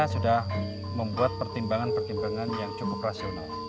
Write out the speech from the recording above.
sudah membuat pertimbangan pertimbangan yang cukup rasional